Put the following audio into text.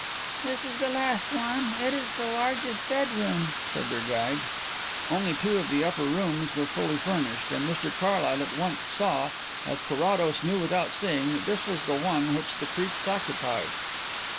"This is the last one. It is the largest bedroom," said their guide. Only two of the upper rooms were fully furnished and Mr Carlyle at once saw, as Carrados knew without seeing, that this was the one which the Creakes occupied.